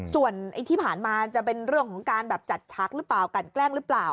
ส่วนที่ผ่านมาจะเป็นเรื่องของการแบบจัดชักหรือเปล่ากันแกล้งหรือเปล่า